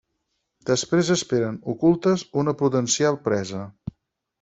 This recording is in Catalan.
Després esperen, ocultes, una potencial presa.